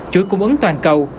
chuỗi cung ứng toàn cầu